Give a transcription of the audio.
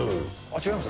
違います？